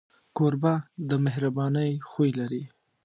کوربه د مهربانۍ خوی لري.